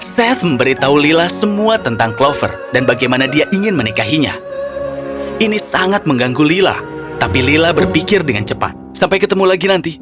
seth memberitahu lila semua tentang clover dan bagaimana dia ingin menikahinya ini sangat mengganggu lila tapi lila berpikir dengan cepat sampai ketemu lagi nanti